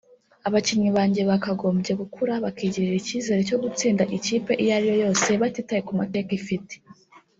Abakinnyi banjye bakagombye gukura bakigirira icyizere cyo gutsinda ikipe iyo ariyo yose batitaye ku mateka ifite